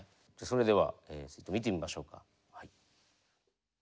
それではちょっと見てみましょうか。